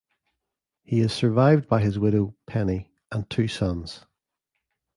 He is survived by his widow, Penney, and two sons.